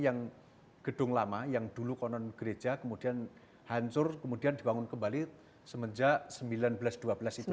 yang gedung lama yang dulu konon gereja kemudian hancur kemudian dibangun kembali semenjak seribu sembilan ratus dua belas itu